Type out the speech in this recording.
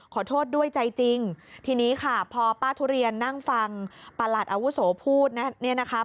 ขอโทษด้วยใจจริงทีนี้ค่ะพอป้าทุเรียนนั่งฟังประหลัดอาวุโสพูดเนี่ยนะคะ